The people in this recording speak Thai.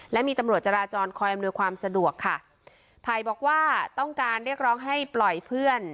และมีตำรวจจราจรคอยอำนวยความสะดวกค่ะไผ่บอกว่าต้องการเรียกร้องให้ปล่อยเพื่อน